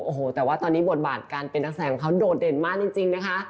โอ้โหแต่ว่าตอนนี้บทบาทการเป็นนักแสดงของเขาโดดเด่นมากจริงนะคะ